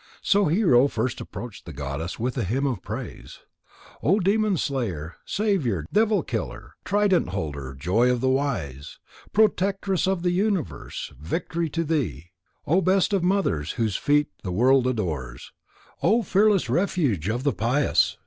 So Hero first approached the goddess with a hymn of praise: "O Demon slayer! Saviour! Devil killer! Trident holder! Joy of the wise! Protectress of the universe! Victory to thee, O best of mothers, whose feet the world adores! O fearless refuge of the pious!